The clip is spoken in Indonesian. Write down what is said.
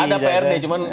ada prd cuman